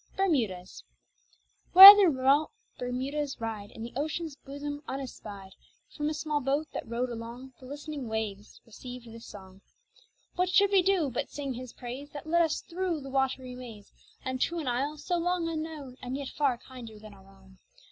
BERMUDAS Where the remote Bermudas ride In the ocean's bosom unespied, From a small boat, that rowed along, The listening winds received this song: "What should we do but sing His praise, That led us through the watery maze, Unto an isle so long unknown, And yet far kinder than our own?